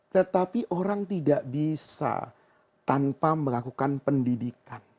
tetapi orang tidak bisa tanpa melakukan pendidikan